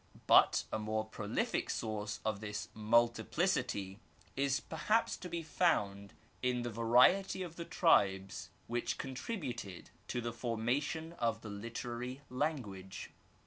But a more prolific source of this multiplicity is perhaps to be found in the variety of the tribes which contributed to the formation of the literary language.